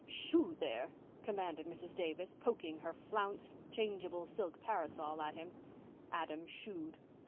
"Shoo, there," commanded Mrs. Davis, poking her flounced, changeable silk parasol at him. Adam shooed.